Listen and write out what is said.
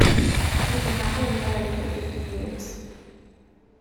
We've been happily married for fifty years.